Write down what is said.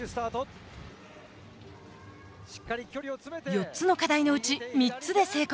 ４つの課題のうち３つで成功。